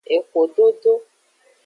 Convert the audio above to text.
Exododo.